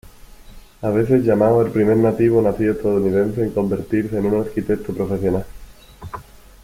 A veces llamado el primer nativo nacido estadounidense en convertirse en un arquitecto profesional.